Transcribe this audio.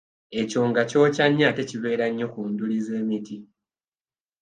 Ekyonga kyokya nnyo ate kibeera nnyo ku nduli z’emiti.